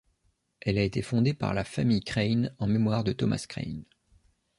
Elle a été fondée par la famille Crane en mémoire de Thomas Crane.